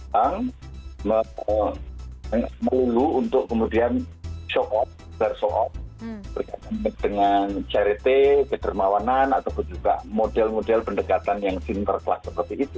yang terutama perlu untuk kemudian show off ber show off berkaitan dengan charity kedermawanan ataupun juga model model pendekatan yang center class seperti itu